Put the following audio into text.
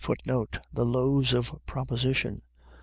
The loaves of proposition.